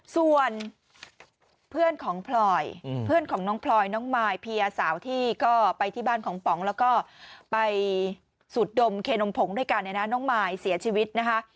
ส่วนเพื่อนของพลอยเพื่อนของน้องพลอยน้องมายเพียสาวที่ก็ไปที่บ้านของป๋องแล้วก็ไปสูดดมเคนมผงด้วยกันเนี่ยนะน้องมายเสียชีวิตนะคะ